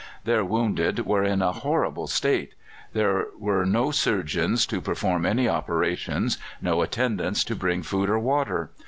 Their wounded were in a horrible state: there were no surgeons to perform any operations, no attendants to bring food or water.